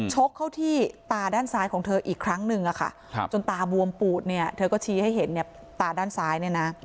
ชกเข้าที่ตาด้านซ้ายของเธออีกครั้งนึงจนตาบวมปูดเธอก็ชี้ให้เห็นตาด้านซ้าย